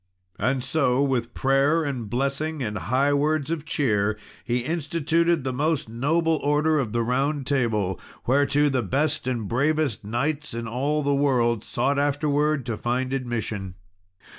And so, with prayer and blessing, and high words of cheer, he instituted the most noble order of the Round Table, whereto the best and bravest knights in all the world sought afterwards to find admission.